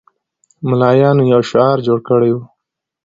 ملایانو یو شعار جوړ کړی وو.